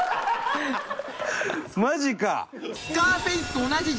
マジか！